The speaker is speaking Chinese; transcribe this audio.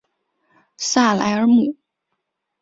萨莱尔姆。